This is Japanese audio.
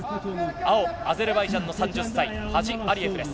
青、アゼルバイジャンの３０歳ハジ・アリエフです。